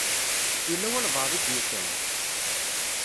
Yella walebɛaḍ i d-yusan?